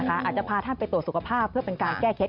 อาจจะพาท่านไปตรวจสุขภาพเพื่อเป็นการแก้เคล็ด